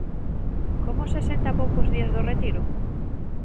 Como se sente a poucos días do retiro?